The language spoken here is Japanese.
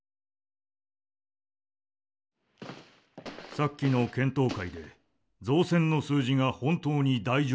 さっきの検討会で造船の数字が本当に大丈夫かと。